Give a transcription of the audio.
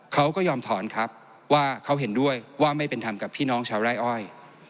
เขาก็ยอมถอนครับว่าเขาเห็นด้วยว่าไม่เป็นธรรมกับพี่น้องชาวไร่อ้อย